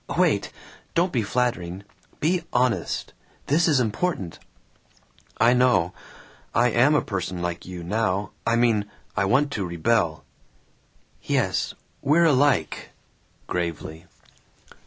Wait! Don't be flattering. Be honest. This is important." "I know. I am a person like you now! I mean, I want to rebel." "Yes. We're alike," gravely.